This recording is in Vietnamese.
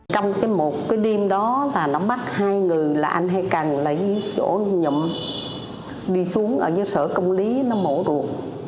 trong cái một cái đêm đó là nó bắt hai người là anh hai cần lấy chỗ nhậm đi xuống ở dưới sở công lý nó mổ ruột